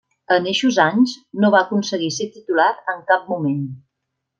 En eixos anys, no va aconseguir ser titular en cap moment.